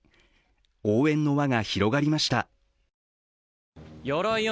応援の輪が広がりました。